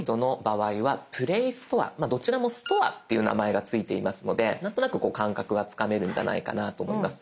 まあどちらもストアっていう名前が付いていますので何となくこう感覚がつかめるんじゃないかなと思います。